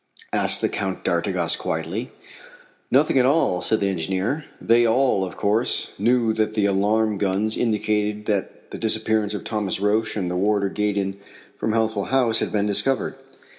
asked the Count d'Artigas quietly. "Nothing at all," said the engineer. They all, of course, knew that the alarm guns indicated that the disappearance of Thomas Roch and the warder Gaydon from Healthful House had been discovered.